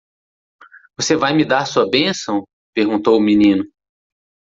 "Você vai me dar sua bênção?", perguntou o menino.